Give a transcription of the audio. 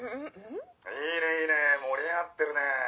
いいねいいね盛り上がってるね。